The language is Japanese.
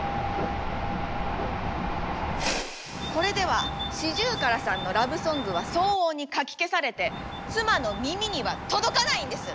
これではシジュウカラさんのラブソングは騒音にかき消されて妻の耳には届かないんです！